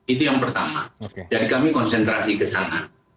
itu yang pertama jadi kami konsentrasi ke sana